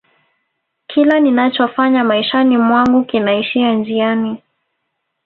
kila ninachofanya maishani mwangu kinaishia njiani